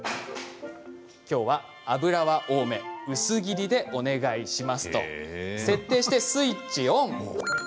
きょうは脂は多めで薄切りでお願いしますと設定してスイッチオン。